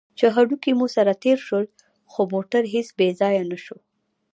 چې هډوکي مو سره تېر شول، خو موټر هېڅ بې ځایه نه شو.